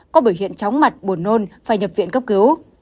có biểu hiện chóng mặt buồn nôn phải nhập viện cấp cứu